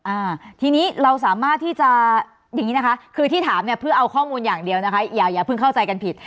อ่าทีนี้เราสามารถที่จะอย่างนี้นะคะคือที่ถามเนี่ยเพื่อเอาข้อมูลอย่างเดียวนะคะอย่าอย่าเพิ่งเข้าใจกันผิด